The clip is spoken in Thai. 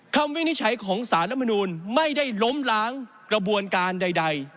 วินิจฉัยของสารมนูลไม่ได้ล้มล้างกระบวนการใด